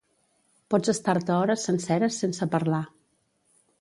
Pots estar-te hores senceres sense parlar.